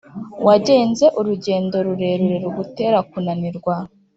Wagenze urugendo rurerure rugutera kunanirwa